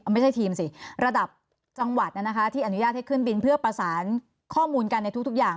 ไม่ใช่ทีมสิระดับจังหวัดที่อนุญาตให้ขึ้นบินเพื่อประสานข้อมูลกันในทุกอย่าง